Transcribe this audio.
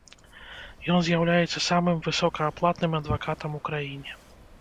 Ён з'яўляецца самым высокааплатным адвакатам у краіне.